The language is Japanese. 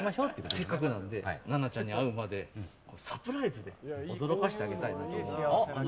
せっかくなんでななちゃんに合うまでサプライズで驚かせてあげたいなと。